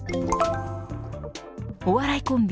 お笑いコンビ